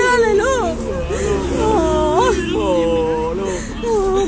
ไอ้เพื่อนเลยลูก